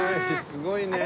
すごいね！